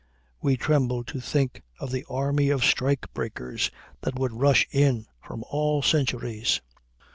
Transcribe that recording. We tremble to think of the army of strike breakers that would rush in from all centuries.